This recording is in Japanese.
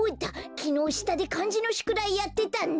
きのうしたでかんじのしゅくだいやってたんだ！